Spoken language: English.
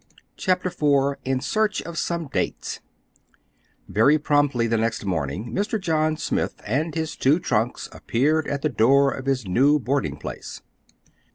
CHAPTER IV IN SEARCH OF SOME DATES Very promptly the next morning Mr. John Smith and his two trunks appeared at the door of his new boarding place.